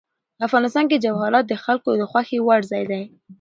افغانستان کې جواهرات د خلکو د خوښې وړ ځای دی.